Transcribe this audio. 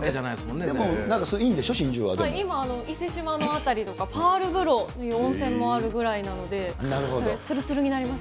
なんかそれ、いいんでしょ、今、伊勢志摩の辺りとか、パール風呂という温泉もあるぐらいなので、つるつるになりますか